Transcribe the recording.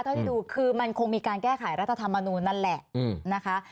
เท่าที่ดูคือมันคงมีการแก้ไขรัฐธรรมนูลนั่นแหละนะคะ